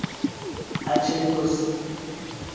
aĉetos